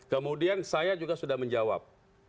kemudian saya juga sudah menjawab